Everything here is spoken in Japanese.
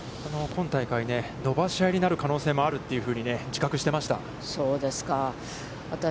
今大会、伸ばし合いになる可能性もあるというふうに自覚していました。